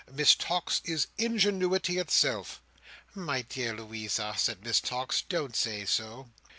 Miss Tox is ingenuity itself." "My dear Louisa," said Miss Tox. "Don't say so."